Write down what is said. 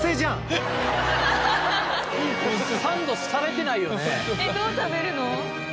えっどう食べるの？